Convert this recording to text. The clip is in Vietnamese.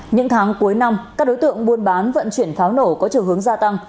những tháng cuối năm các đối tượng buôn bán vận chuyển pháo nổ có chiều hướng gia tăng